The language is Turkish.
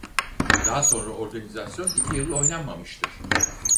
Daha sonra organizasyon iki yıl oynanmamıştır.